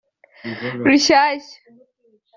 rushyashya